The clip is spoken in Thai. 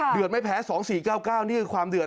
เดือดมาแพ้๒๔๙๙นี่คือความเดือด